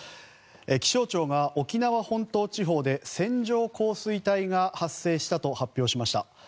気象庁が沖縄本島地方で線状降水帯が発生したと発表しました。